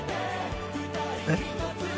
えっ？